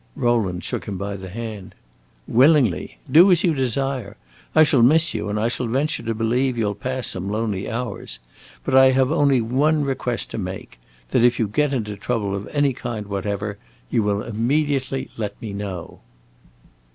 Rowland shook him by the hand. "Willingly. Do as you desire, I shall miss you, and I venture to believe you 'll pass some lonely hours. But I have only one request to make: that if you get into trouble of any kind whatever, you will immediately let me know."